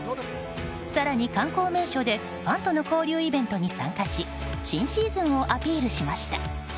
更に観光名所でファンとの交流イベントに参加し新シーズンをアピールしました。